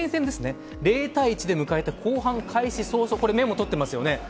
０対１で迎えた後半開始早々これ、メモとってますよね。